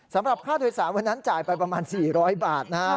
สำหรับค่าโดยสารวันนั้นจ่ายไปประมาณ๔๐๐บาทนะฮะ